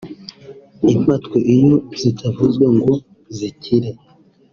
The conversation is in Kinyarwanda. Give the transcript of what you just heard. Impatwe iyo zitavuwe ngo zikire